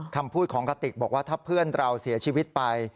คำพูดของกติกบอกว่าถ้าเพื่อนเราเสียชีวิตไป